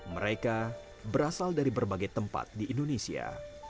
mereka berasal dari berbagai tempat di indonesia